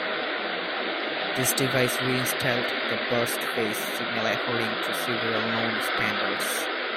This device reinstalled the burst phase signal according to several known standards.